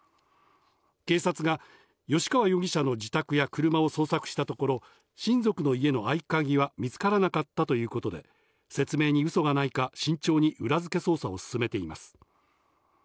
警察が吉川容疑者の自宅や車を捜索したところ、親族の家の合鍵は見つからなかったということで、説明に嘘がリセッシュータイム！